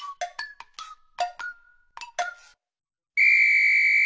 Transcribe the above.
ピッ！